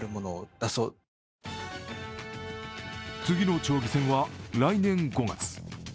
次の町議選は来年５月。